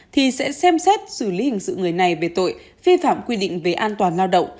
thì sẽ xem xét xử lý hình sự người này về tội vi phạm quy định về an toàn lao động